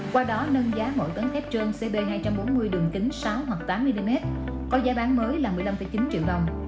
qua đó nâng giá mỗi tấn thép trôn cb hai trăm bốn mươi đường kính sáu hoặc tám mm có giá bán mới là một mươi năm chín triệu đồng